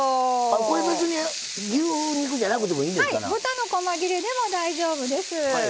豚のこま切れでも大丈夫です。